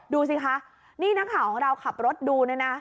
ดูสิคะนี่นักข่าวของเราขับรถดูเนี่ยนะ